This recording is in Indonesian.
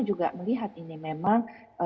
juga melihat ini memang